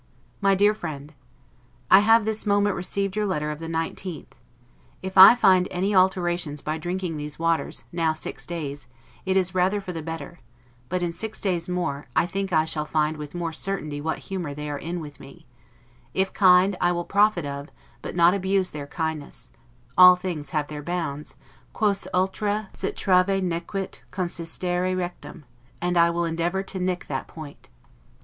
MY DEAR FRIEND: I have this moment received your letter of the 19th. If I find any alterations by drinking these waters, now six days, it is rather for the better; but, in six days more, I think I shall find with more certainty what humor they are in with me; if kind, I will profit of, but not abuse their kindness; all things have their bounds, 'quos ultra citrave nequit consistere rectum'; and I will endeavor to nick that point.